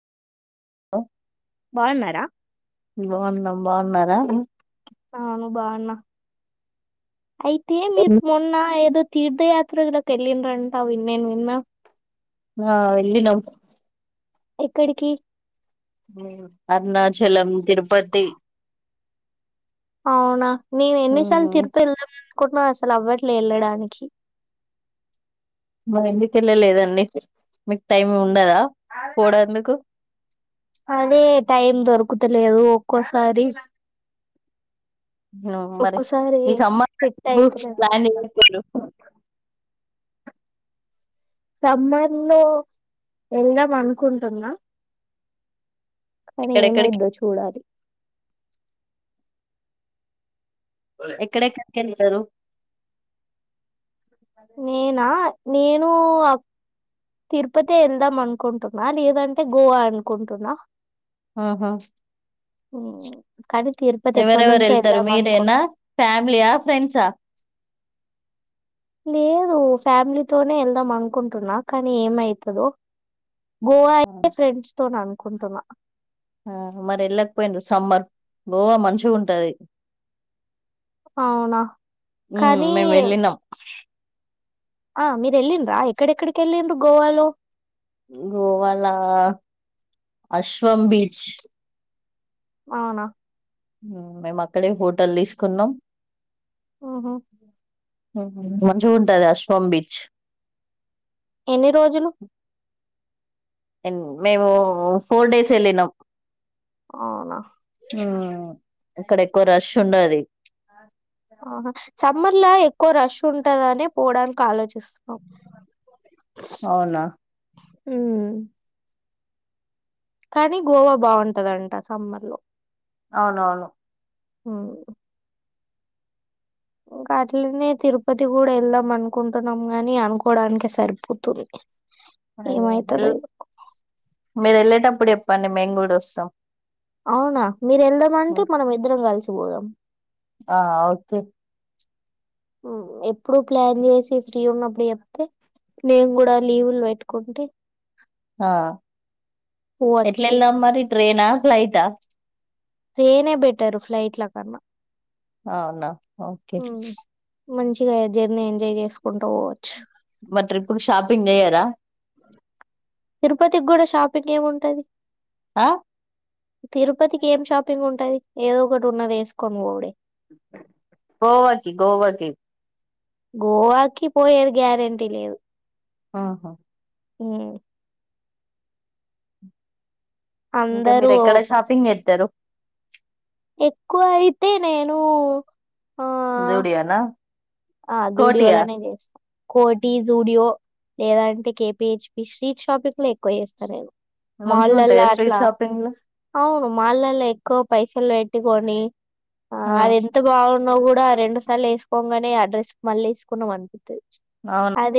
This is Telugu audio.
ఆ బాగున్నారా బాగున్నాం బాగున్నారా ఆ ను బాన్న అయితే మీరు మొన్న ఏదో తీర్థయాత్రలా కలినరా అంటా నిను విన్నా ఆ వెళ్ళ నమ్ ఎక్కడికి అరుణాచలం తిరుపతి అవునా నను ఎన్నసార్లు మ్మ్ తిరుపతి వెళ్దాం అనుకున్న అసలు అవ్వట్లే వెళ్ళడానికి. మా ఎందుకు వెళ్ళలేదండి మీకు టైము అదే టైం దొరుకు తతలేదు ఒక్కోసారి మరి ఒక్కోసారి నమ్ సెట్ అయితలేదు [unintelligible] సమ్మన్ లో వెళ్దాం అనుకుంటున్నా కానీ ఎక్కడెక్కడికి ఏమైద్దో చూడాలి ఎక్కడెక్కడికి వెళ్తారు. నేనా నేను తిరుపతి వెళ్దాం అనుకుంటున్నా లేదంటే గోవా అనుకుంటున్నా. ఆహ ఉమ్, కానీ తిరుపతి ఎప్పటి ఎవరెవరు నుంచో వెళ్తారు వెళ్దాం అనుకుంటున్నా మీరేనా ఫ్యామిలీయా ఫ్రెండ్సా. లేదు ఫ్యామిలీతోనే వెళ్దాం అనుకుంటున్నా కానీ ఏమవుతుదొ గోవా అయితే ఫ్రెండ్స్ తో నా కుంటున్న ఆ మరి వెళ్ళకపోయిం సమ్మర్ గోవా మంచిగా ఉంటది. అవునా మ్మ్, కానీ మేము వెళ్ళినాం ఆ మీరు వెళ్ళిండ్రా ఎక్కడెక్కడికి వెళ్ళిండు గోవాలో. గోవాల అశ్వం బీచ్ అవునా మేము అక్కడే హోటల్ తీసుకున్నాం. ఓహో మంచిగుంటది అశ్వం బీచ్ ఎన్ని రోజులు మేము ఫోర్ డేస్ వెళ్ళినాం అవునా ఇక్కడ ఎక్కువ రష్ చుండది హా సమ్మర్లా ఎక్కువ రష్ ఉంటదని పోవడానికి ఆలోచిస్తాం అవునా హు కానీ గోవా బాగుంటదంట సమ్మర్ లో అవునవును హు ఇంకా అట్లనే తిరుపతి కూడా వెళ్దాం అనుకుంటున్నాం గాని అనుకోవడానినికి సరిపోతుంది అయ్యో ఏమైతదో ఎల్ ఇగ మీరు ఎల్లట అప్పుడు చెప్పండి మెమీకూడా వస్తాం అవునా మీరు వెళ్దాము అంటే ఉమ్, మనం ఇద్దరం కలిసి పోదాం ఆ ఓకే ఎప్పుడు ప్లాన్ చేసి ఫ్రీ ఉన్నప్పుడు చెప్తే నేను కూడా లీవులు పెట్టుకుంటే ఆ పోవచ్చు ఎట్లల వెళ్దాం మరి ట్రెన్ ఆ ఫ్లాయిట్ ఆ ట్రైన్ బెట్టరు ఫ్లైట్ ల కన్నా అవునా ఓకే హ్మ్ మంచిగా జర్నీ ఎంజాయ్ చేసుకుంట పోవచ్చు మరి ట్రిప్పుకు షాపింగ్ చేయరా తిరుపతికి కూడా షాపింగ్ ఏమింటది ఆ తిరుపతికి ఏం షాపింగ్ ఉంటది ఏదో ఒకటి ఉన్నది వేసుకోని పోవుడే గోవాకి గోవా కి గోవాకి పోయేది గ్యారెంటీ లేదు ఆహా హు ఇంకా అందరూ మీరు ఎక్కడ షాపింగ్ చేస్తారు ఎక్కువ అయితే నేను ఆ జూడియోనా ఆ కోటియా జూడియోలనే చేస్తాం కోటి జూడియో లేదంటే కేపీహెచ్ పి స్ట్రీట్ షాపింగ్ లో ఎక్కువ చేస్తా నేను మాల్ మంచిగా ల ఉంటాయా స్ట్రీట్ అట్లా షాపింగ్ అవును మాల్ ల ఎక్కువ పైసలు పెట్టుకొని ఆ లో అది ఎంత బాగున్నా కూడా రెండు సలు వేసుకోగానే డ్రెస్ మళ్ళీ వేసుకుంన్నా అనిపి అవును [inaudible] అదే